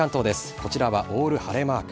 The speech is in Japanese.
こちらはオール晴れマーク。